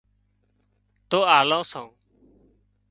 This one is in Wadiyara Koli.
تو آلان سان